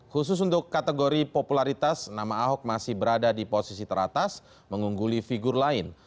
khusus untuk kategori popularitas nama ahok masih berada di posisi teratas mengungguli figur lain